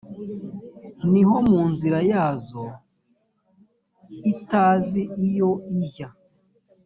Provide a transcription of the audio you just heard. hino mu nzira zayo itazi iyo ijya